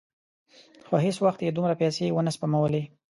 خو هېڅ وخت یې دومره پیسې ونه سپمولې.